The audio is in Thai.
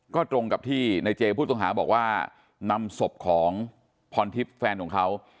ก็ตรงกับที่ในเจผู้ต้องหาบอกว่านำศพของพรทิพย์แฟนของเขา